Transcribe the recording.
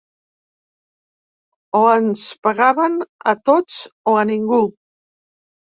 O ens pegaven a tots o a ningú.